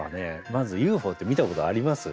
まずＵＦＯって見たことあります？